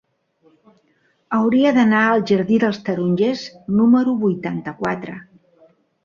Hauria d'anar al jardí dels Tarongers número vuitanta-quatre.